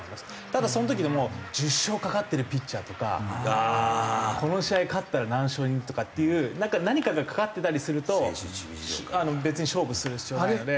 ただその時にもう１０勝懸かってるピッチャーとかこの試合勝ったら何勝にとかっていう何かが懸かってたりすると別に勝負する必要はないので。